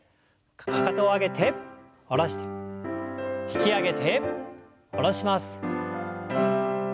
かかとを上げて下ろして引き上げて下ろします。